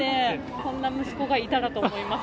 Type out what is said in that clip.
こんな息子がいたらと思います。